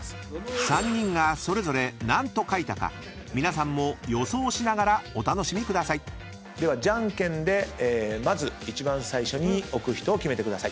［３人がそれぞれ何と書いたか皆さんも予想しながらお楽しみください］ではじゃんけんでまず一番最初に置く人を決めてください。